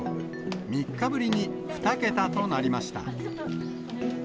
３日ぶりに２桁となりました。